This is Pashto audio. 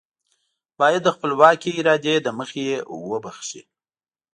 بايد د خپلواکې ارادې له مخې يې وبښي.